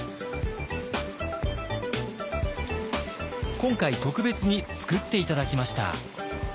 今回特別に作って頂きました。